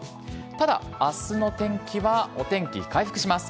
ただあすの天気は、お天気回復します。